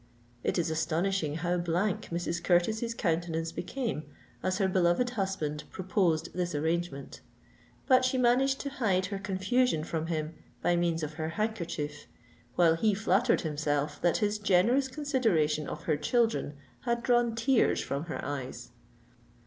It is astonishing how blank Mrs. Curtis's countenance became as her beloved husband proposed this arrangement: but she managed to hide her confusion from him by means of her handkerchief, while he flattered himself that his generous consideration of her children had drawn tears from her eyes.